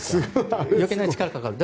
あれは余計な力がかかる。